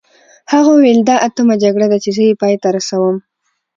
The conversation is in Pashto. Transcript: هغه وویل دا اتمه جګړه ده چې زه یې پای ته رسوم.